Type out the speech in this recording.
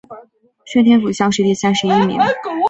顺天府乡试第三十一名。